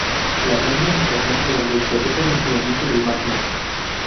La breña se formó durante el proceso de enfriamiento del magma.